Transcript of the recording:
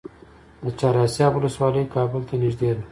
د چهار اسیاب ولسوالۍ کابل ته نږدې ده